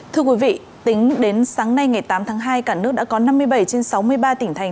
thưa quý vị tính đến sáng nay ngày tám tháng hai cả nước đã có năm mươi bảy trên sáu mươi ba tỉnh thành